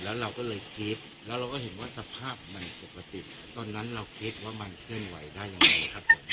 แล้วเราก็เลยกรี๊ดแล้วเราก็เห็นว่าสภาพมันปกติตอนนั้นเราคิดว่ามันเคลื่อนไหวได้ยังไงครับตอนนี้